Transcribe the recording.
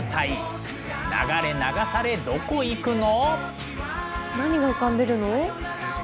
流れ流されどこ行くの？